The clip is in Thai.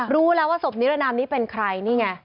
รู้แล้วว่าศพนิรนามนี้เป็นใครนี่ไง